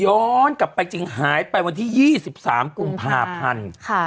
ย้อนกลับไปจริงหายไปวันที่ยี่สิบสามกุมภาพันธ์ค่ะ